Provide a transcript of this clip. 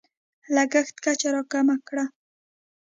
لګښت کچه راکمه کړه.